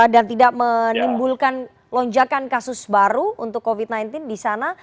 dan tidak menimbulkan lonjakan kasus baru untuk covid sembilan belas di sana